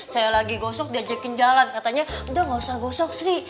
saya lagi gosok diajakin jalan katanya udah gak usah gosok sih